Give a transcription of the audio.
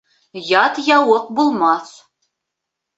Ят яуыҡ булмаҫ.